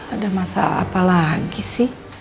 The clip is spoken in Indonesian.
ada masalah apa lagi sih